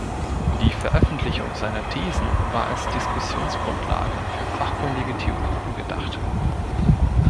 Die Veröffentlichung seiner Thesen war als Diskussionsgrundlage für fachkundige Theologen gedacht.